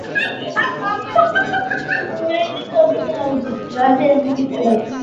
স্থানীয় সূত্র জানায়, মধ্যনগর মধ্য বাজারে কৃষি সম্প্রসারণ অধিদপ্তরের পরিত্যক্ত একটি বাড়ি রয়েছে।